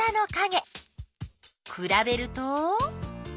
くらべると？